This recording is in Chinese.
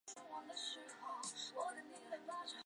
长柄铁角蕨为铁角蕨科铁角蕨属下的一个种。